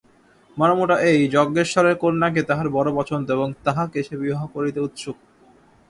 মর্মটা এই, যজ্ঞেশ্বরের কন্যাকে তাহার বড়ো পছন্দ এবং তাহাকে সে বিবাহ করিতে উৎসুক।